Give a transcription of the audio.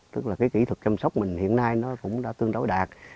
tức là cái kỹ thuật chăm sóc mình hiện nay nó cũng đã tương đối đạt